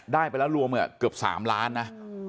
ได้ไปแล้วรวมเกือบ๓ล้านนะ